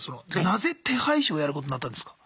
なぜ手配師をやることなったんですか？